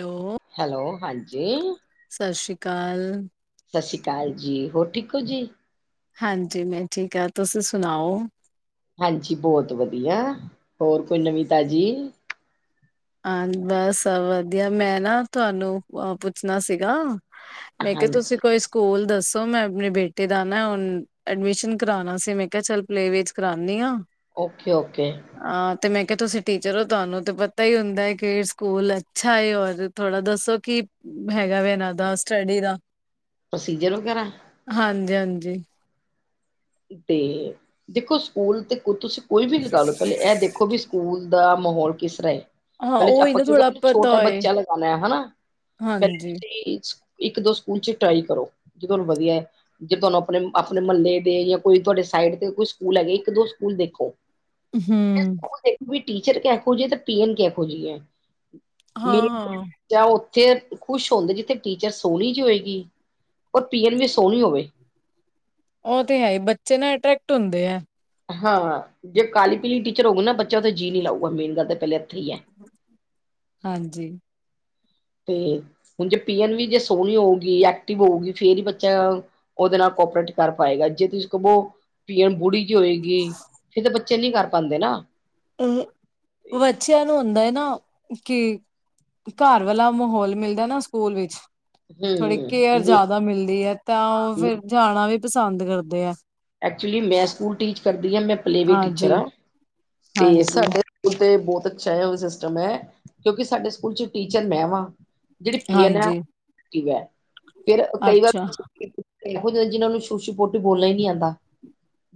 Hello. Hello ਹਾਂਜੀ। ਸਸ ਸ਼ੀ ਕਾਲ। ਸਸ ਸੀ ਕਾਲ ਜੀ ਹੋਰ ਠੀਕ ਓ ਜੀ। ਹਾਂਜੀ ਮੈਂ ਠੀਕ ਆ, ਤੁਸੀ ਸੁਣਾਓ? ਹਾਂਜੀ ਬੋਤ ਵਧੀਯਾ, ਹੋਰ ਕੋਈ ਨਵੀਂ ਤਾਜ਼ੀ ਹਾਂ ਬਸ ਵਧੀਆ ਮੈਂ ਨਾ ਤਵਾਨੂੰ ਪੁੱਛਣਾ ਸੀਗਾ ਮੈਂ ਕਯਾ ਤੁਸੀ ਹਾਂਜੀ ਕੋਈ ਸ ਸਕੂਲ ਦੱਸੋ, ਮੈਂ ਆਪਣੇ ਬੇਟੇ ਦਾ ਨਾ ਹੁਣ ਐਡਮਿਸ਼ਨ ਕਰਾਣਾ ਸੀ ਮੈਂ ਕਯਾ ਚੱਲ ਪਲੇ ਵਿਚ ਕਰਾਣੀ ਆਂ। Okay, okay. ਆਂ ਤੇ ਮੈਂ ਕਯਾ ਤੁਸੀ ਟੀਚਰ ਓ ਤੁਹਾਨੂੰ ਤੇ ਪ ਤਾ ਹੀ ਹੁੰਦੈ ਏ ਕਿ ਇਹ ਸਕੂਲ ਅੱਛਾ ਏ ਔਰ ਥੋੜਾ ਦੱਸੋ ਕਿ ਹੈੇਗਾ ਵੇ ਏਨਾਂ ਦਾ ਸਟਡੀ ਦਾ? ਪ੍ਰੋਸੀਜਰ ਵਗੈਰਾ? ਹਾਂਜੀ- ਹਾਂਜੀ। ਤੇ ਦੇਖੋ ਸਕੂਲ ਤੇ ਕੁ ਤੁਸੀ ਕੋਈ ਵੀ ਲਗਾ ਲੋ। ਪਹਲੇ ਇਹ ਦੇਖੋ ਕਿ ਸਕੂਲ ਦਾ ਮਹੌਲ ਕਿਸ ਤਰਾ ਏ। ਹਾਂ, ਪਹਿਲੇ ਉਹੀ ਆਪਾਂ ਨਾ ਕਿਉਂਕਿ ਥੋੜਾ ਆਪ ਪਤਾ ਛੋਟਾ ਹੋਏ, ਬੱਚਾ ਲਗਾਉਣਾ ਆ ਹਨਾ ਪਹਿਲੇ ਹਾਂਜੀ। ਤੇ [unintelligible] ਇੱਕ ਦੋ ਸਕੂਲ ਚ ਟਰਾਈ ਕਰੋ ਜੇ ਤਵਾਨੂੰ ਵਧੀਯੈ, ਜੇ ਤਵਾਨੂੰ ਆਪਣੇ -ਆਪਣੇ ਮਲਲੇ ਦੇ ਜਾਂ ਕੋਈ ਤਵਾਡੇ ਸਾਈਡ ਤੇ ਕੋਈ ਸਕੂਲ ਹੈਗੇ, ਇੱਕ ਦੋ ਸਕੂਲ ਦੇਖੋ। ਹੂੰ। ਦੇਖੋ ਵੀ ਟੀਚਰ ਕਿਹੋ ਜੀ ਆ ਤੇ ਪੀਅਨ ਕਿਹੋ ਜੀ ਆ ਮੇਰੇ ਹਾਂ-ਹਾਂ। ਜਾਂ ਉੱਥੇ ਖੁਸ਼ ਹੁੰਦੇ ਜਿੱਥੇ ਟੀਚਰ ਸੋਣੀ ਜਿਹੀ ਹੋਏਗੀ ਔਰ ਪੀਐਨ ਵੀ ਸੋਣੀ ਹੋਵੇ। ਉਅ ਤੇ ਹੈ ਈ, ਬੱਚੇ ਨਾ ਅਟਰੈਕਟ ਹੁੰਦੇ ਆ। ਹਾਂ ਜੇ ਕਾਲੀ ਪੀਲੀ ਟੀਚਰ ਹੋਊ ਨਾ ਬੱਚਾ ਉਥੇ ਜੀ ਨੀ ਲਊਗਾ ਮੇਨ ਗੱਲ ਤਾਂ ਪਿਲੇ ਇਥੇ ਈ ਆ। ਹਾਂਜੀ। ਤੇ ਹੁਣ ਜੇ ਪੀ ਐਨ ਵੀ ਜੇ ਸੋਣੀ ਹੋਊਗੀ ਐਕਟਿਵ ਹੋਊਗੀ ਫੇਰ ਹੀ ਬੱਚਾ ਉਦੇ ਨਾਲ ਕੋਪਰੇਟ ਕਰ ਪਾਏਗਾ ਜੇ ਤੁਸੀਂ ਕਵੋ ਪੀਅਨ ਬੁੜੀ ਜੀ ਹੋਊਗੀ ਫਿਰ ਤਾਂ ਬੱਚੇ ਕੋਪਰੇਟ ਨੀ ਕਰ ਪਾਂਦੇ ਨਾ। ਅਹੂੰ ਬੱਚਿਆਂ ਨੂੰ ਹੁੰਦਾ ਏ ਨਾ ਕਿ ਘਰ ਵਾਲਾ ਮਾਹੌਲ ਮਿਲਦਾ ਨਾ ਸਕੂਲ ਵਿੱਚ ਥੋੜ੍ਹੀ ਕੇਅਰ ਹਮ ਜ਼ਿਆਦਾ ਮਿਲਦੀ ਹੈ, ਤਾਂ ਉਹ ਫਿਰ ਜਾਣਾ ਵੀ ਪਸੰਦ ਕਰਦੇ ਆ। ਐਕਚੁਲੀ ਮੈਂ ਸਕੂਲ ਟੀਚ ਕਰਦੀ ਹਾਂ ਮੈਂ ਪਲੇਵੇ ਟੀਚਰ ਹਾਂਜੀ ਆ ਤੇ ਹਾਂਜੀ ਸਾਡੇ ਸਕੂਲ ਤੇ ਬੌਤ ਅੱਛਾ ਏ, ਸਿਸਟਮ ਐ ਕਿਉਂਕਿ ਸਾਡੇ ਸਕੂਲ ਚ ਟੀਚਰ ਮੈਂ ਵਾਂ। ਜਿਹੜੀ ਪੀ ਐਨ ਉਹ ਹਾਂਜੀ ਐਕਟਿਵ ਹੈ ਫਿਰ ਕਈ ਵਾਰ ਅੱਛਾ ਇਹੋ ਜਿਏ ਜਿਨਾਂ ਨੂੰ ਸ਼ੁਸ਼ੂ ਪੋਟੀ ਬੋਲਣਾ ਈ ਨੀ ਆਂਦਾ।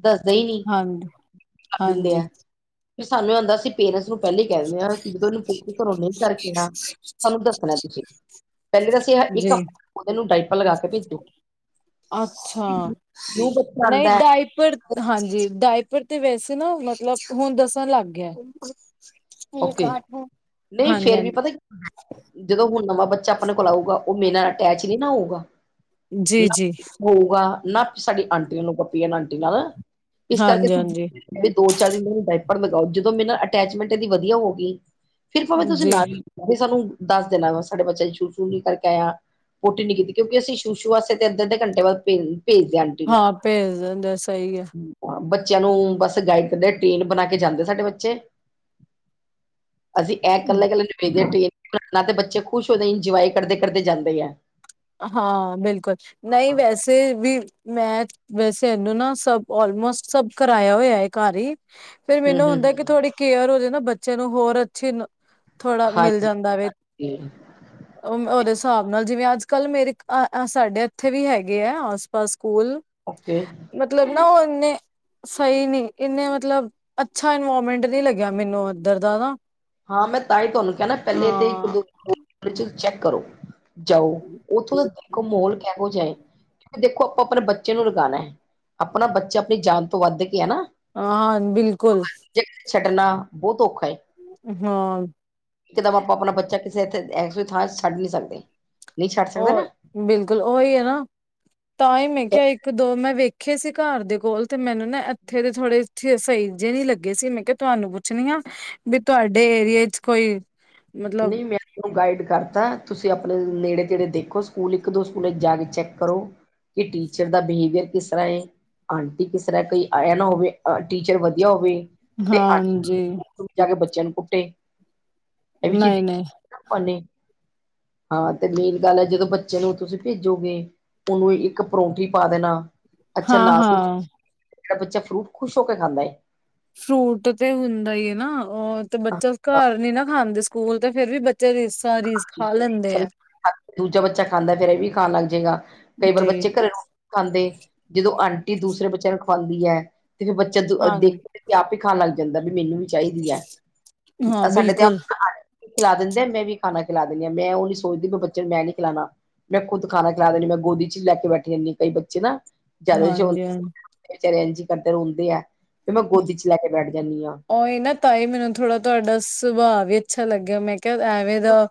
ਦੱਸਦਾ ਈ ਨੀ ਹਾਂਜੀ ਵਿਚ ਕਰ ਦਿੰਦੇ ਹਾਂਜੀ ਆ ਸਾਨੂੰ ਇਹ ਹੁੰਦਾ ਅਸੀ ਪੇਰੈਂਸ ਨੂੰ ਪਹਿਲੇ ਕਹਿ ਦਿੰਨੇ ਆ ਕੀ ਜਦੋਂ ਇਨੂੰ ਪੋਟੀ ਘਰੋਂ ਨੀ ਕਰਕੇ ਆਏ ਆ ਸਾਨੂੰ ਦੱਸਣਾ ਤੁਸੀਂ। ਪਹਿਲੇ ਤੇ ਅਸੀਂ ਇੱਕ ਜੀ ਹਫ਼ਤਾ ਉਹਦੇ ਨੂੰ ਡਾਈਪਰ ਲਗਾ ਕੇ ਭੇਜੋ। ਅੱਛਾ, ਕਿਉਂ ਬੱਚਾ ਨਹੀਂ ਆਉਂਦਾ ਹੈ ਡਾਇਪਰ ਹਾਂਜੀ ਡਾਇਪਰ ਤੇ ਵੈਸੇ ਨਾ ਮਤਲਬ ਹੁਣ ਦੱਸਣ ਲੱਗ ਗਿਆ। ਓਕੇ, ਨਈ ਹਾਂਜੀ ਹਾਂਜੀ ਫੇਰ ਵੀ ਪਤਾ ਕੀ ਜਦੋਂ ਹੁਨ ਨਵਾਂ ਬੱਚਾ ਆਪਨੇ ਕੋਲ ਆਊਗਾ, ਓ ਮੇਰੇ ਨਾਲ ਅਟੈਚ ਨੀ ਨਾ ਹੋਊਗਾ। ਜੀ ਨਾ ਜੀ ਹੋਊਗਾ ਨਾ ਸਾਡੀ ਆਂਟੀ ਨੂੰ ਪੀਅਨ ਆਂਟੀ ਨਾਲ ਇਸ ਕਰਕੇ ਹਾਂਜੀ ਹਾਂਜੀ ਦੋ-ਚਾਰ ਦਿਨ ਓਨੂੰ ਡਾਈਪਰ ਲਗਾਓ, ਜਦੋਂ ਮੇਰੇ ਨਾਲ ਅਟੈਚਮੈਂਟ ਐਦੀ ਵਦੀਆ ਹੋ ਗੀ ਫੇਰ ਪਾਵੇਂ ਤੁਸੀਂ ਜੀ ਨਾਲ ਈ ਸਾਨੂੰ ਦਾਸ ਦੇਨਾ ਵਾ ਸਾਡੇ ਬੱਚਾ ਸੂਸੂ ਕਾਰਕੇ ਆਯਾ ਪੋਟੀ ਨੀ ਕੀਤੀ ਕਉਕਿ ਅਸੀ ਸ਼ੁਸ਼ੂ ਵਾਸਤੇ ਅੱਧੇ-ਅੱਧੇ ਘੰਟੇ ਬਾਦ ਪੇ ਪੇਜ ਦੇਆਂਗੇ। ਹਾਂ, ਪੇਜ ਦੇਂਦੇ ਸਈ ਆ। ਬੱਚਿਆਂ ਨੂੰ ਬਸ ਗਾਈਡ ਕਰਦੇ, ਟੀਮ ਬਨਾ ਕੇ ਜਾਂਦੇ ਸਾਡੇ ਬੱਚੇ ਅਸੀ ਐ ਕੱਲੇ-ਕੱਲੇ ਨੀ ਭੇਜਦੇ ਟੀਮ ਬਨਾ ਤੇ ਬੱਚੇ ਖੁਸ਼ ਹੋਂਦੇ ਇੰਜੋਆਏ ਕਰਦੇ-ਕਰਦੇ ਜਾਂਦੇ ਐ। ਹਾਂ, ਬਿਲਕੁਲ ਨਈ ਵੈਸੇ ਵੀ ਮੈਂ ਵੈਸੇ ਐਨੂੰ ਨਾ ਸਬ ਓਲਮੋਸਟ ਸਬ ਕਰਾਆ ਹੋਆ ਏ ਘਰ ਈ ਫੇਰ ਹੂੰ ਮੈਨੂੰ ਹੂੰ ਹੁੰਦੈ ਕਿ ਹੂੰ ਥੋੜੀ ਕੇਅਰ ਹੋ ਜੇ ਨਾ ਬੱਚੇ ਨੂੰ, ਹੋਰ ਅੱਛੀ ਥੋੜਾ ਮਿਲ ਹਾਂਜੀ ਜਾਂਦਾ ਵੇ, ਓ ਓਦੇ ਸਾਬ ਨਾਲ ਜਿਵੇਂ ਅਜ ਕੱਲ ਮੇਰੇ ਆ ਆ ਸਾਡੇ ਐਥੇ ਵੀ ਹੈਗੇ ਐ ਆਸ-ਪਾਸ ਸਕੂਲ ਓਕੇ ਮਤਲਬ ਨਾ ਓਨੇ ਸਈ ਨੀ, ਇੰਨੇ ਮਤਲਬ ਅੱਛਾ ਇਨਵੋਮੈਂਟ ਨੀ ਲੱਗਿਆ ਮੈਨੂੰ ਓਧਰ ਦਾ ਨਾ ਹਾਂ, ਮੈਂ ਤਾਂ ਈ ਤੁਆਨੂੰ ਕਿਆ ਨਾ ਪੈਲੇ ਤੇ ਹਾਂ ਇੱਕ-ਦੋ ਸਕੂਲ ਚੈੱਕ ਕਰੋ ਜਾਓ, ਓਥੋਂ ਦਾ ਦੇਖੋ ਮੋਲ ਕੈਹੋ ਜਿਆ ਏ। ਦੇਖੋ ਆਪਾਂ ਆਪਨੇ ਬੱਚੇ ਨੂੰ ਲਗਾਨੈ, ਆਪਨਾ ਬੱਚਾ ਆਪਨੀ ਜਾਨ ਤੋਂ ਵਾੱਧ ਕੇ ਐ ਨਾ ਆਂ, ਬਿਲਕੁਲ। ਜਿਨੂੰ ਛੱਡਨਾ ਬੋਤ ਔਖਾ ਏ ਹਾਂ। ਏਕਦਮ ਆਪਾਂ ਆਪਨਾ ਬੱਚਾ ਕਿਸੇ ਇਥੇ ਥਾਂ ਇਹੋ ਜੀ ਥਾਂ ਛਡ ਨੀ ਸਕਦੇ, ਨਈ ਛਡ ਸਕਦੇ ਉਹ ਨਾ ਬਿਲਕੁਲ, ਓਈ ਐ ਨਾ, ਤਾਂ ਈ ਮੈਂ ਕਯਾ ਇੱਕ-ਦੋ ਮੈਂ ਵੇਖ ਵੇਖੇ ਸੀ ਘਾੱਰ ਦੇ ਕੋਲ, ਤੇ ਮੈਨੂੰ ਨਾ ਐਥੇ ਦੇ ਥੋੜੇ ਥੇ ਸਈ ਜੇ ਨੀ ਲੱਗੇ ਸੀ, ਮੈਂ ਕਯਾ ਤੁਆਨੂੰ ਪੁੱਛਨੀ ਆਂ। ਵੀ ਤੁਆਡੇ ਏਰੀਏ ਚ ਕੋਈ ਮਤਲਬ ਨਈ, ਮੈਂ ਗਾਈਡ ਕਰਤਾ, ਤੁਸੀ ਅਪਨੇ ਨੇੜੇ ਤੇੜੇ ਦੇਖੋ ਸਕੂਲ, ਇੱਕ-ਦੋ ਸਕੂਲ 'ਚ ਜਾ ਕੇ ਚੈੱਕ ਕਰੋ। ਕਿ ਟੀਚਰ ਦਾ ਬਿਹੇਵੀਅਰ ਕਿਸ ਤਰਾਂ ਏ ਆਂਟੀ ਕਿਸ ਤਰਾਂ ਕੋਈ ਆਯਾ ਨਾ ਹੋਵੇ, ਟੀਚਰ ਵਦੀਆ ਹੋਵੇ ਤੇ ਹਾਂਜੀ ਆਂਟੀ [unintelligible] ਜਾ ਕੇ ਬੱਚੇਆਂ ਨੂੰ ਕੁੱਟੇ। ਐ ਵੀ ਚੀਜ਼ ਨਹੀਂ ਨਹੀਂ [unintelligible] ਆਪਾਂ ਨੇ। ਹਾਂ, ਤੇ ਮੇਨ ਗਾੱਲ ਐ ਜਦੋਂ ਬੱਚੇ ਨੂੰ ਤੁਸੀ ਪੇਜੋਗੇ ਓਨੂੰ ਇੱਕ ਪਰੌਂਠੀ ਪਾ ਦੇਨਾ। ਅੱਛਾ, ਹਾਂ ਨਾਲ ਕੋਈ ਹਾਂ [unintelligible] ਬੱਚਾ ਫਰੂਟ ਖੁਸ਼ ਹੋ ਕੇ ਖਾਂਦਾ ਏ। ਫਰੂਟ ਤੇ ਹੁੰਦਾ ਈ ਏ ਨਾ, ਓ ਤੇ ਬੱਚਾ ਘਰ ਨੀ ਨਾ ਖਾਂਦੇ। ਸਕੂਲ ਤੇ ਫੇਰ ਵੀ ਬੱਚੇ ਰੀਸਾਂ ਰੀਸ ਖਾ ਲੈਂਦੇ ਐ। ਦੂਜਾ ਬੱਚਾ ਖਾਂਦਾ ਫੇਰ ਏ ਵੀ ਖਾਨ ਲਾਗ ਜੇਗਾ, ਕਈ ਵਾਰ ਜੀ ਬੱਚੇ ਘਰੇ ਨੂੰ ਖਾਂਦੇ ਜਦੋਂ ਆਂਟੀ ਦੂਸਰੇ ਬੱਚੇਆਂ ਨੂੰ ਖਵਾਂਦੀ ਐ, ਤੇ ਫੇਰ ਬੱਚਾ ਦ ਹਾਂ ਦੇਖ ਤੇ ਆਪ ਈ ਖਾਨ ਲਾੱਗ ਜਾਂਦੈ ਵੀ ਮੈਨੂੰ ਵੀ ਚਾਈਦੀ ਐ, ਹਾਂ ਸਾਡੇ ਬਿਲਕੁਲ [unintelligible] ਖਿਲਾ ਦਿੰਦੇ ਐ ਮੈਂ ਵੀ ਖਾਨਾ ਖਿਲਾ ਦਿੰਨੀ ਆਂ, ਮੈਂ ਓ ਨੀ ਸੋਚਦੀ ਬ ਬੱਚੇ ਨੂੰ ਮੈਂ ਨੀ ਖਿਲਾਨਾ। ਮੈਂ ਖੁਦ ਖਾਨਾ ਖਿਲਾ ਦੇਨੀ, ਮੈਂ ਗੋਦੀ 'ਚ ਲੈ ਕੇ ਬੈਠੀ ਰੈਨੀ ਕਈ ਬੱਚੇ ਨਾ। ਜਾਦਾ ਜੋ ਹਾਂਜੀ ਹਾਂ ਵਿਚਾਰੇ ਐਂਜ ਈ ਕਰਦੇ ਰੋਂਦੇ ਐ, ਫਿਰ ਮੈਂ ਗੋਦੀ 'ਚ ਲੈ ਕੇ ਬੈਠ ਜਾਂਨੀ ਆਂ। ਓਈ ਨਾ ਤਾਂਈ ਮੈਨੂੰ ਥੋੜ ਤੁਆਡਾ ਸੁਭਾ ਵੀ ਅੱਛਾ ਲੱਗਯਾ, ਮੈਂ ਕਯਾ ਐਵੇਂ ਦਾ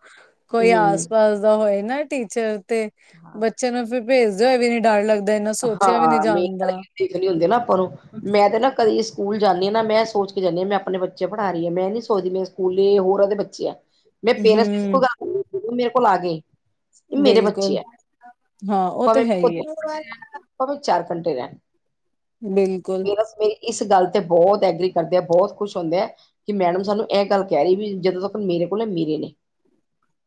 ਕੋਈ ਹਮ ਆਸ-ਪਾਸ ਦਾ ਹੋਏ ਨਾ ਟੀਚਰ ਤੇ ਹਾਂ ਬੱਚੇ ਨੂੰ ਫਿਰ ਪੇਜ਼ਦੇ ਹੋਏ ਵੀ ਨੀ ਡਰ ਲੱਗ ਤੇ ਏਨਾ ਸੋਚਯਾ ਵੀ ਨੀ ਜਾਂਦਾ। ਠੀਕ ਨੀ ਹੁੰਦੇ ਨਾ ਆਪਾਂ ਨੂੰ ਮੈਂ ਤੇ ਨਾ ਕਦੀ ਸਕੂਲ ਜਾਂਨੀ ਆਂ ਨਾ, ਮੈਂ ਐ ਸੋਚ ਕੇ ਜਾਂਨੀ ਆਂ ਮੈਂ ਅਪਨੇ ਬੱਚੇ ਪੜਾ ਰੀ ਆਂ, ਮੈਂ ਨੀ ਸੋਚਦੀ ਮੈਂ ਸਕੂਲੇ ਹੋਰਾਂ ਦੇ ਬੱਚੇ ਐ, ਮੈਂ ਪੇਰੈਂਟਸ [unintelligible] ਹੂੰ ਮੇਰੇ ਕੋਲ ਆ ਕੇ ਏ ਮੇਰੇ ਬਿਲਕੁਲ ਬੱਚੇ ਐ, ਹਾਂ ਉਹ ਤੇ ਭਾਵੇਂ ਹੈ ਓ ਹੀ ਦੋ ਹੈ ਘੰਟੇ ਰੈਨ ਭਾਵੇਂ ਚਾਰ ਘੰਟੇ ਰੈਨ। ਬਿਲਕੁ ਬਸ ਮੇਰੀ ਇਸ ਗੱਲ ਤੇ ਬੋਤ ਐਗਰੀ ਕਰਦੇ ਐ, ਬੋਤ ਖੁਸ਼ ਹੁੰਦੇ ਐ। ਕਿ ਮੈਡਮ ਸਾਨੂੰ ਐ ਗੱਲ ਕੈ ਰੀ ਵੀ, ਜਦੋਂ ਤੱਕ ਮੇਰੇ ਕੋਲ ਨੇ, ਮੇਰੇ ਨੇ।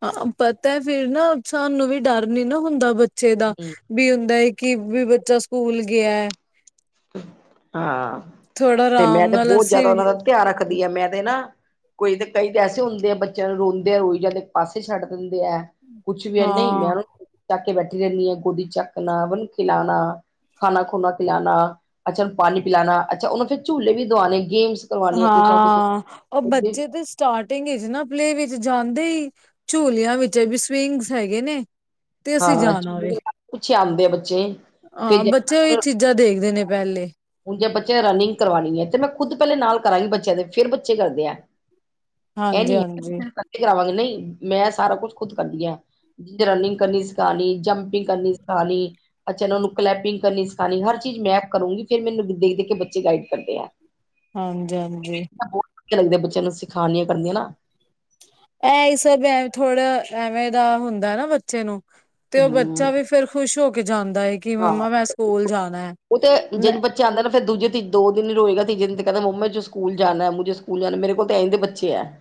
ਹਾਂ, ਪਤਾ ਫਿਰ ਨਾ ਸਾਨੂੰ ਵੀ ਡਰ ਨੀ ਨਾ ਹੁੰਦਾ ਬੱਚੇ ਦਾ। ਹੂੰ ਵੀ ਹੁੰਦਾ ਐ ਕਿ ਵੀ ਬੱਚਾ ਸਕੂਲ ਗਯਾ ਐ। ਹਾਂ, ਥੋੜਾ ਤੇ ਆਰਾਮ ਮੈਂ ਤੇ ਨਾਲ ਬੋਤ ਅਸੀਂ ਜਾਦਾ ਓਨਾਂ ਦਾ ਧਿਆਨ ਰੱਖਦੀ ਆ, ਮੈਂ ਤੇ ਨਾ ਕੋਈ ਤਾਂ, ਕਈ ਤਾਂ, ਐਸੇ ਹੁੰਦੇ ਐ ਬੱਚੇਆਂ ਨੂੰ ਰੋਂਦੇ ਐ, ਰੋਈ ਜਾਨ ਦੇ, ਇੱਕ ਪਾਸੇ ਛੱਡ ਦੇਂਦੇ ਐ। ਕੁਛ ਵੀ ਐ ਨਈ ਮੈਂ ਹਾਂ ਚੱਕ ਕੇ ਬੈਠੀ ਰੈਨੀ ਆਂ ਗੋਦੀ ਚੱਕਨਾ, ਓਨੂੰ ਖਿਲਾਨਾ, ਖਾਨਾ ਖੂਨਾ ਖਿਲਾਨਾ। ਅੱਛਾ ਓਨੂੰ ਪਾਨੀ ਪਿਲਾਨਾ, ਅੱਛਾ, ਓਨੂੰ ਫਿਰ ਝੂਲੇ ਵੀ ਦੁਆਨੇ, ਗੇਮਸ ਕਰਵਾਉਣੀਆਂ ਕੁਛ ਨਾ ਕੁਛ ਹਾਂ, ਓ ਬੱਚੇ ਤੇ ਸਟਾਰਟਿੰਗ ਇਚ ਨਾ, ਪਲੇ ਵਿੱਚ ਜਾਂਦੇ ਈ, ਝੂਲੇਆਂ ਵਿੱਚ ਐ ਵੀ ਸਵਿੰਗਸ ਹੈਗੇ ਨੇ ਤੇ ਅਸੀਂ ਜਾਨਾ ਵੇ। ਕੁਛ ਆਉਂਦੇ ਆ ਬੱਚੇ ਹਾਂ, ਫਿਰ ਬੱਚੇ ਓਈ ਚੀਜ਼ਾਂ ਦੇਖਦੇ ਨੇ ਪੈਲੇ। ਹੁਨ ਜੇ ਬੱਚੇਆਂ ਰਨਿੰਗ ਕਰਵਾਨੀ ਐ ਤੇ ਮੈਂ ਖੁਦ ਪੈਲੇ ਨਾਲ ਕਰਾਂਗੀ ਬੱਚੇਆਂ ਦੇ, ਫੇਰ ਬੱਚੇ ਕਰਦੇ ਐ। ਐ ਹਾਂਜੀ ਨੀ ਹੈਗਾ, ਹਾਂਜੀ [unintelligible] ਕਰਾਵਾਂਗੀ ਨਈ, ਮੈਂ ਸਾਰਾ ਕੁੱਛ ਖੁਦ ਕਰਦੀ ਆਂ, ਜਿਦੇ 'ਚ ਰਨਿੰਗ ਕਰਨੀ ਸਿਖਾਨੀ, ਜੰਪਿੰਗ ਕਰਨੀ ਸਿਖਾਨੀ। ਅੱਛਾ, ਓਨਾ ਨੂੰ ਕਲੈਪਿੰਗ ਕਰਨੀ ਸਿਖਾਨੀ, ਹਰ ਚੀਜ਼ ਮੈ ਆਪ ਕਰੂੰਗੀ ਫਿਰ, ਮੈਨੂੰ ਦੇਖ-ਦੇਖ ਕੇ ਬੱਚੇ ਗਾਈਡ ਕਰਦੇ ਐ। ਹਾਂਜੀ- ਹਾਂਜੀ। ਲਗਦੇ ਬੱਚਿਆਂ ਨੂੰ, ਸਿਖਾਣੀਆਂ ਕਰਦੀਆਂ ਨਾ [unintelligible] ਐਹੀ ਸਭ ਐਵੇ ਥੋੜ੍ਹਾ ਐਵੇਂ ਦਾ ਹੁੰਦਾ ਨਾ ਬੱਚੇ ਨੂੰ ਤੇ ਉਹ ਬੱਚਾ ਹੂੰ ਵੀ ਫੇਰ ਖੁਸ਼ ਹੋ ਕੇ ਜਾਂਦਾ ਏ ਕਿ ਹਾਂ ਮੰਮਾ ਮੈਂ ਸਕੂਲ ਜਾਨਾ ਮੈਂ ਬੱਚੇ ਆਂਦਾ ਨਾ ਫੇਰ ਦੂਜੇ ਦੋ ਦਿਨ ਹੀ ਰੋਏਗਾ ਤੀਜੇ ਦਿਨ ਤੇ ਕਹਿੰਦਾ ਮੰਮਾ ਮੁਜੇ ਸਕੂਲ ਜਾਨਾ ਮੁਜੇ ਸਕੂਲ ਜਾਨਾ ਮੇਰੇ ਕੋਲ ਤੇ ਅਹੋਜੇ ਬੱਚੇ ਹੈ।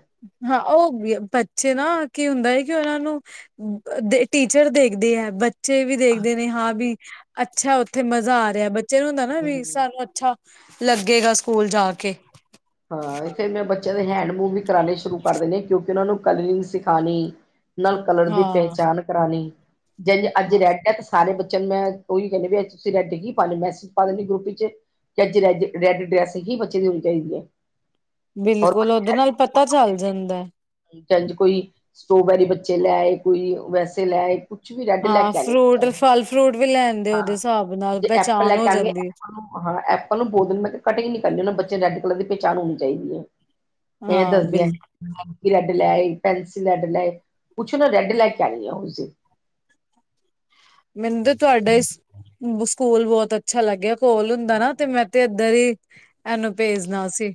ਹਾਂ ਉਹ ਬੱਚੇ ਨਾ ਕੀ ਹੁੰਦਾ ਹੈ ਕਿ ਉਹਨਾਂ ਨੂੰ ਦੇ ਟੀਚਰ ਦੇਖਦੇ ਹੈ ਬ ਬੱਚੇ ਵੀ ਦੇਖਦੇ ਨੇ ਹਾਂ ਵੀ ਅੱਛਾ ਉੱਥੇ ਮਜ਼ਾ ਆ ਰਿਹਾ ਬੱਚੇ ਨੂੰ ਹੁੰਦਾ ਨਾ ਵੀ ਹੂੰ ਸਾਨੂੰ ਅੱਛਾ ਲੱਗੇਗਾ ਸਕੂਲ ਜਾ ਕੇ ਹਾਂ ਫੇਰ ਮੈਂ ਬੱਚਿਆਂ ਦੇ ਹੈਂਡ ਮੂਵ ਵੀ ਕਰਾਣੇ ਸ਼ੁਰੂ ਕਰ ਦੇਣੇ ਕਿਉਂਕਿ ਉਹਨਾਂ ਨੂੰ ਕਲਰਿੰਗ ਸਿਖਾਨੀ ਨਾਲ ਕਲਰ ਦੀ ਹਾਂ ਪਹਿਚਾਨ ਕਰਾਨੀ ਜੈ ਅੱਜ ਰੈਡ ਐ ਸਾਰੇ ਬੱਚਿਆਂ ਨੂੰ ਮੈਂ ਉਹੀ ਕਹਿੰਦੀ ਪਈ ਅਜ ਤੁਸੀਂ ਰੈਡ ਹੀ ਪਾਨੇ ਮੈਸੇਜ ਪਾ ਦਿੰਦੀ ਗਰੁੱਪ ਇਚ ਕਿ, ਅੱਜ ਰੈੱ ਰੈੱਡ ਡਰੈਸ ਹੀ ਬੱਚੇ ਦੀ ਹੋਣੀ ਚਾਹੀਦੀ ਹੈ। [unintelligible] ਔਰ ਬਿਲਕੁਲ ਉਹਦੇ ਨਾਲ ਪਤਾ ਚੱਲ ਜਾਂਦਾ ਜੇਂਜ ਕੋਈ ਸਟ੍ਰੋਬੈਰੀ ਬੱਚੇ ਲੈ ਆਏ ਕੋਈ ਵੈਸੇ ਲੈ ਆਏ ਕੁਛ ਵੀ ਰੈੱਡ ਲੈ ਹਾਂ ਕੇ ਆਨੀ ਫਰੂਟ ਬੱਚੇਆਂ ਨੂੰ ਫਲ ਫਰੂਟ ਵੀ ਲੈਨ ਹਾਂ ਜੇ ਐਪਲ ਲੈ ਕੇ ਆਨਗੇ ਹਾਂ ਐ ਪਰ ਮੈਂ ਬੋਲ ਦੇਨੀ ਆ ਮੈਂ ਕਿਹ ਕਟਿੰਗ ਨੀ ਕਰਨੀ ਉਹਨਾ ਬੱਚੇਆ ਨੂੰ ਰੈੱਡ ਕਲਰ ਦੀ ਪਹਿਚਾਨ ਹੋਨੀ ਚਾਹੀਦੀ ਹੈ। ਇਹ ਹਾਂ ਦੱਸਦਿਆਂ ਬਿਲਕੁਲ ਰੈਡ ਲੈਏ, ਪੈਨਸਿਲ ਰੈਡ ਲਏ ਕੁਛ ਨਾ ਰੈੱਡ ਲੈ ਕੇ ਆਯੋ [unintelligible] ਤੁਸੀ ਮੈਨ ਤਾਂ ਤੁਹਾਡਾ ਸਕੂਲ ਬੋਤ ਅੱਛਾ ਲੱਗਿਆ ਕੋਲ ਹੁੰਦਾ ਨਾ ਤੇ ਮੈਂ ਤੇ ਏਧਰ ਹੀ ਏਹਨੂੰ ਭੇਜਨਾ ਸੀ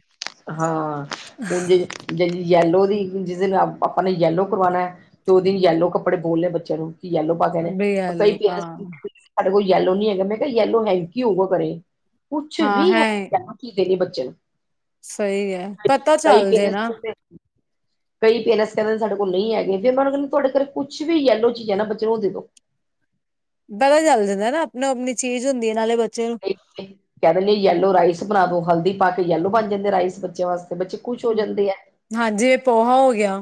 ਹਾਂ ਹੁਨ ਜਿਨ ਜੇਜ ਯੈਲੋ ਦੀ ਜਿਸ ਦਿਨ ਆਪਾਂ ਨੇ ਯੈਲੋ ਕਰਵਾਨਾਂ ਤੇ ਓਸ ਦਿਨ ਯੈਲੋ ਕੱਪੜੇ ਬੋਲਨੇ ਬੱਚੇਆਂ ਨੂੰ ਯੇਲੋ ਪਾ ਕੇ ਆਣੇ ਬਈ ਐਲੋ ਕਈ ਪਾ ਪਰੇਂਟਸ ਸਾਡੇ ਕੋਲ ਯੈਲੋ ਨੀ ਹੈਗਾ ਮੈਂ ਕਿਹਾ ਯੈਲੋ ਹੈਨਕੀ ਹੋਊਗਾ ਘਰੇ ਕੁਛ ਵੀ ਹੈ ਕੀ ਕਰਿਏ ਬੱਚੇਆ ਨੂੰ ਸਹੀ ਹੈ। ਪਤਾ ਕਈ ਚੱਲ ਜੇ ਪੇਰੈਂਟਸ ਨਾ ਕੋਲ ਤੇ [inaudible] [inaudible] ਕਈ ਪੇਰੈਂਨਸ ਕਹਿੰਦੇ ਸਾਡੇ ਕੋਲ ਨਈ ਹੈਗੇ ਫੇਰ ਮੈਂ ਓਨਾ ਨੂੰ ਕਹਿੰਨੀ ਤੁਹਾਡੇ ਘਰੇ ਕੁਛ ਵੀ ਯੇਲੋ ਚੀਜ਼ ਹੈ ਨਾ ਬੱਚੇ ਨੂੰ ਓ ਦੇ ਦੋ ਪਤਾ ਚੱਲ ਜਾਂਦਾ ਨਾ ਅਪਨੀ- ਅਪਨੀ ਚੀਜ਼ ਹੁੰਦੀ ਹੈ ਨਾਲੇ ਬੱਚੇ ਨੂੰ ਕਹਿ ਦਿੰਦੇ ਆ ਯੈਲੋ ਰਾਈਸ ਬਣਾ ਦੋ ਹਲਦੀ ਪਾ ਕੇ ਯੈਲੋ ਬਨ ਜਾਂਦੇ ਰਾਈਸ ਬੱਚੇਆਂ ਵਾਸਤੇ ਬੱਚੇ ਖੁਸ਼ ਹੋ ਜਾਂਦੇ ਏ। ਹਾਂਜੀ ਇਹ ਪੋਹਾ ਹੋ ਗਿਆ।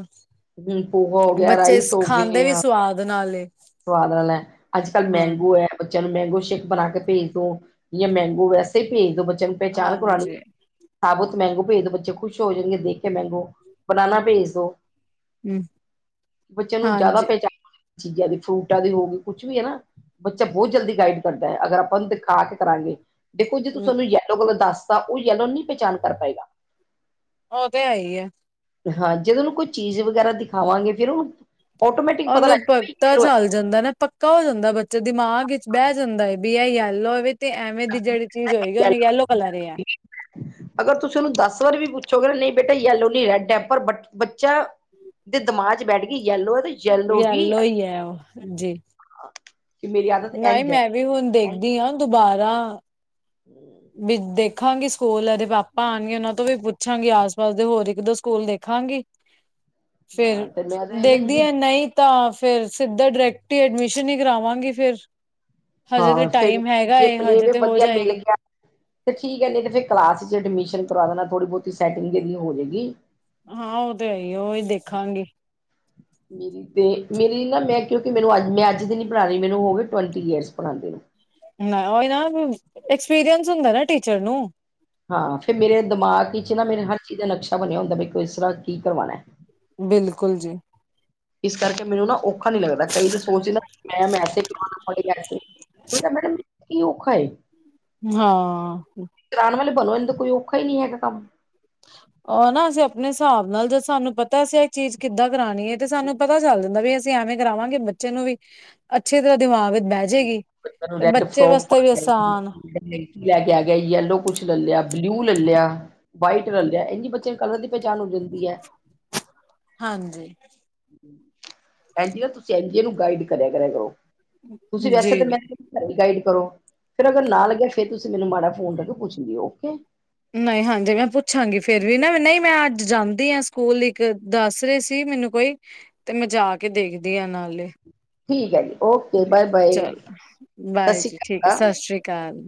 ਹੂੰ ਪੋਹਾ ਹੋ ਗਿਆ ਬੱਚੇ ਰਾਈਸ ਹੋ ਖਾਂਦੇ ਗਏ ਵੀ ਸਵਾਦ ਨਾਲੇ। ਸਵਾਦ ਨਾਲ ਹੈ ਅੱਜ ਕੱਲ੍ਹ ਹਾਂ ਮੈਂਗੋ ਹੈ। ਬੱਚੇਆਂ ਨੂੰ ਮੈਂਗੋ ਸ਼ੇਕ ਬਨਾ ਕੇ ਭੇਜ ਦੋ ਯਾ ਮੈਂਗੋ ਵੈਸੇ ਭੇਜ ਦੋ ਬੱਚੇਆਂ ਨੂੰ। ਪਹਿਚਾਨ ਕਰਾਣੀ ਏ। ਹਾਂਜੀ ਸਾਬੁਤ ਮੈਂਗੋ ਭੇਜ ਦੋ ਬੱਚੇ ਖੁਸ਼ ਹੋ ਜਾਨਗੇ ਦੇਖ ਕੇ ਮੈਂਗੋ ਬਨਾਨਾ ਭੇਜ ਦੋ। ਹੁ ਬੱਚੇਆਂ ਨੂੰ ਜੈਦਾ ਪਹਿਚਾਨ ਚੀਜ਼ਾਂ ਦੀ ਫਰੂਟਾਂ ਦੀ ਹੋਗੀ ਕੁਛ ਵੀ ਏ ਨਾ। ਬੱਚਾ ਬੋਤ ਜਲਦੀ ਗਾਈਡ ਕਰਦਾ ਅਗਰ ਆਪਾਂ ੳਨੂੰ ਦਿਖਾ ਕੇ ਕਰਾਂਗੇ। ਦੇਖੋ ਜੇ ਤੁਸੀਂ ਹਮ ਤੁਹਾਨੂੰ ਯੈਲੋ ਕਲਰ ਦੱਸਤਾ ਉਹ ਯੈਲੋ ਨਹੀਂ ਪਹਿਚਾਨ ਕਰ ਪਾਏਗਾ। ਉਹ ਤੇ ਹੈ ਈ ਏ। ਹਾਂ ਜਦ ਉਹਨੂੰ ਕੋਈ ਚੀਜ਼ ਵਗੈਰਾ ਦਿਖਾਵਾਂਗੇ ਫੇਰ ਉਹਨੂੰ ਆਟੋਮੈਟਿਕ ਪਤਾ ਉਹਨੂੰ ਲੱਗ ਪਤਾ ਚੱਲ ਜਾਂਦਾ ਨਾ ਪੱਕਾ ਹੋ ਜਾਂਦਾ ਬੱਚਾ ਦਿਮਾਗ ਇਚ ਬੈ ਜਾਂਦਾ ਏ ਵੀ ਇਹ ਯੇਲੋ ਵੇ ਤੇ ਐਵੇ ਦੀ ਜੇੜੀ ਚੀਜ਼ ਹੋਏਗੀ ਉਹਨੂੰ ਯੈਲੋ ਕਲਰ ਏ ਐ। ਅਗਰ ਤੁਸੀਂ ਓਨੂੰ ਦਸ ਵਾਰ ਵੀ ਪੁੱਛੋਗੇ ਨਾ ਨੀ ਬੇਟਾ ਯਲੋ ਨੀ ਹੇਗਾ ਡੇ ਪਰ ਬ ਬੱਚਾ ਤੇ ਦਿਮਾਗ ਚ ਬੈਠ ਗੀ ਯੈਲੋ ਐ ਤੇ ਯੈਲੋ ਹੀ ਯੇਲੋ ਹੈ ਈ ਐ ਔ ਜੀ। [unintelligible] ਆਦਤ ਨਈ ਇੰਝ ਹੈ। ਮੈਂ ਵੀ ਹੁਣ ਦੇਖਦੀ ਆ ਦੁਬਾਰਾ ਵੀ ਦੇਖਾਂਗੀ ਸਕੂਲ ਏਦੇ ਪਾਪਾ ਆਣਗੇ ਉਨਾਂ ਤੋਂ ਵੀ ਪੁੱਛਾਂਗੀ ਆਸ-ਪਾਸ ਦੇ ਹੋਰ ਇੱਕ-ਦੋ ਸਕੂਲ ਦੇਖਾਂਗੀ। ਫੇਰ ਹਾਂ ਤੇ ਮੈਂ ਤੇ ਨਾ ਦੇਖਦੀ ਜੀ ਆ ਨਈ ਤਾਂ ਫੇਰ ਸਿੱਧਾ ਡਾਇਰੈਕਟ ਹੀ ਐਡਮਿਸ਼ਨ ਹੀ ਕਰਾਵਾਂਗੀ ਫੇਰ। ਹਾਂ ਫੇਰ ਜੇ ਪਲੇ ਹਜੇ ਵੇ ਤੇ ਹੋ ਵਧੀਆ ਮਿਲ ਜਾਏਗੀ ਗਿਆ ਤੇ ਠੀਕ ਐ ਨਈ ਤੇ ਫਿਰ ਕਲਾਸ ਚ ਐਡਮਿਸ਼ਨ ਕਰਵਾ ਦੇਣਾ ਥੋੜੀ ਬੋਤੀ ਸੈਟਿੰਗ ਜੇੜੀ ਹੋ ਜੇਗੀ। ਹਾਂ ਓ ਤੇ ਹੈਈ ਏ ਓਈ ਦੇਖਾਂਗੀ। ਮੇਰੀ ਤੇ ਮੇਰੀ ਨਾ ਮੈਂ ਕਿਉਂਕਿ ਮੈਨੂੰ ਅੱਜ ਮੈਂ ਅੱਜ ਦੀ ਨੀ ਪੜ੍ਹਾ ਰੀ ਮੈਨੂੰ ਹੋ ਗਵੇ ਟਵੰਟੀ ਈਅਰਸ ਪੜਾਂਦੇ ਨੂੰ। ਨਾ ਓਈ ਨਾ ਐਕਸਪੀਰੀਅੰਸ ਹੁੰਦਾ ਨਾ ਟੀਚਰ ਨੂੰ। ਹਾਂ ਫਿਰ ਮੇਰੇ ਦਿਮਾਗ ਇਚ ਨਾ ਮੇਰੇ ਹਰ ਚੀਜ਼ ਦਾ ਨਕਸ਼ਾ ਬਣਿਆ ਹੁੰਦਾ ਬਈ ਕਿਸਰਾ ਕੀ ਕਰਵਾਨਾ। ਬਿਲਕੁਲ ਜੀ। ਇਸ ਕਰਕੇ ਮੈਨੂੰ ਨਾ ਓ ਔਖਾ ਨੀ ਲੱਗਦਾ ਕਈ ਤੇ ਸੋਚ ਨਾ ਮੈਮ ਐਸੇ ਕਰਵਾਨਾ ਮੈਮ ਐਸੇ [inaudible] ਕੀ ਓਖਾ ਏ? ਹਾਂ। ਕਰਾਨ ਵਾਲੇ ਬਣੋ ਇਦ ਤੇ ਕੋਈ ਔਖਾ ਹੀ ਨੀ ਹੈਗਾ ਕਾਮ। ਉਹ ਨਾ ਅਸੀਂ ਆਪਣੇ ਸਾਬ ਨਾਲ ਜਦ ਸਾਨੂੰ ਪਤਾ ਅਸੀਂ ਏ ਚੀਜ਼ ਕਿੱਦਾਂ ਕਰਾਨੀ ਹਏ ਤੇ ਸਾਨੂੰ ਪਤਾ ਚੱਲ ਜਾਂਦਾ ਵੀ ਸੀਂ ਐਵੇਂ ਕਰਾਵਾਂਗੇ ਬੱਚੇ ਨੂੰ ਵੀ ਅੱਛੀ ਤਰ੍ਹਾਂ ਦਿਮਾਗ ਬੈ ਜੇਗੀ ਬੱਚਿਆਂ ਨੂੰ ਤੇ ਰੈਡ ਬੱਚੇ ਫਰੋਕ ਪਾ ਵਾਸਤੇ ਵੀ ਕੇ ਆਸਾਨ। ਲੈਂਕੀ ਲੈ ਕੇ ਆ ਗਿਆ ਯੇਲੋ ਕੁਛ ਲਲਿਆ ਬਲਿਊ ਲਲਿਆ। ਵਾਈਟ ਲਲਿਆ ਇੰਝ ਈ ਬੱਚੇ ਨੂੰ ਕਲਰ ਦੀ ਪਹਿਚਾਣ ਹੋ ਜਾਂਦੀ ਐ। ਹਾਂਜੀ। ਭੇੰਜੀ ਐ ਤੁਸੀਂ ਐਨ ਜੀ ਏਨੂੰ ਗਾਈਡ ਕਰਿਆ ਮ-ਕਰਿਆ ਕਰੋ ਤੁਸੀਂ ਵੈਸੇ ਜੀ ਤੇ ਜੀ। ਮੈਂ ਗਾਈਡ ਕਰੋ ਫੇਰ ਅਗਰ ਨਾਲ ਲੱਗਿਆ ਫੇਰ ਤੁਸੀਂ ਮੈਨੂੰ ਮਾੜਾ ਫੋਨ ਕਰ ਕੇ ਪੁੱਛ ਲਿਓ ਓਕੇ। ਨਈ ਹਾਂਜੀ ਮੈਂ ਪੁੱਛਾਂਗੀ ਫੇਰ ਵੀ ਨਾ ਨਈ ਮੈਂ ਅੱਜ ਜਾਂਦੀ ਆ ਸਕੂਲ ਇੱਕ ਦੱਸ ਰੇ ਸੀ ਮੈਨੂੰ ਕੋਈ ਤੇ ਮੈਂ ਜਾ ਕੇ ਦੇਖਦੀ ਆ ਨਾਲੇ। ਠੀਕ ਐ ਜੀ ਓ ਚਲੋ ਬਾਏ ਜੀ ਠੀਕ ਐ ਅਕਾਲ ਸਸ ਸ੍ਰੀ ਕਾਲ।